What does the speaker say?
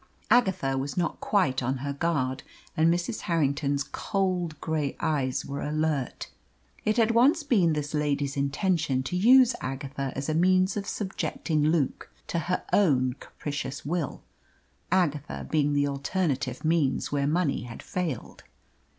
Agatha was not quite on her guard, and Mrs. Harrington's cold grey eyes were alert. It had once been this lady's intention to use Agatha as a means of subjecting Luke to her own capricious will Agatha being the alternative means where money had failed.